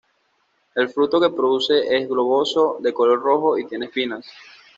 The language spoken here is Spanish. El fruto que produce es globoso, de color rojo y tiene espinas.